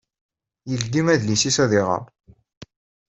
Yeldi adlis-is ad iɣer.